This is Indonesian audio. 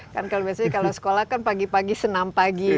kan kalau biasanya kalau sekolah kan pagi pagi senam pagi